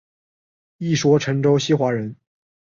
一说陈州西华人。